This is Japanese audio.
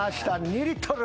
２リットル。